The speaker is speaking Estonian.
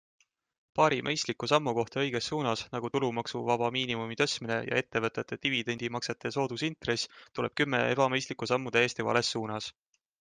Paari mõistliku sammu kohta õiges suunas - nagu tulumaksuvaba miinimumi tõstmine ja ettevõtete dividendidemaksete soodusintress - tuleb kümme ebamõistlikku sammu täiesti vales suunas.